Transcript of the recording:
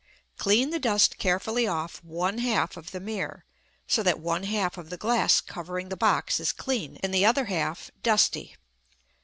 Clean the dust carefully off one half of the mirror, so that one half of the glass covering the box is clean and the other half dusty.